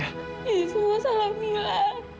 ini semua salah mila